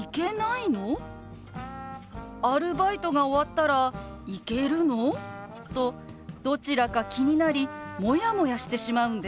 「アルバイトが終わったら行けるの？」とどちらか気になりモヤモヤしてしまうんです。